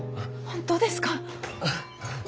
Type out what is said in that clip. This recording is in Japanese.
本当ですか？